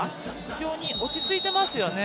非常に落ち着いていますよね。